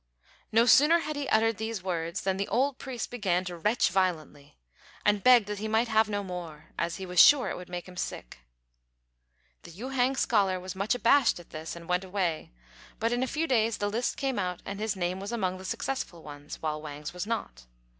No sooner had he uttered these words than the old priest began to retch violently, and begged that he might have no more, as he was sure it would make him sick. The Yü hang scholar was much abashed at this, and went away; but in a few days the list came out and his name was among the successful ones, while Wang's was not.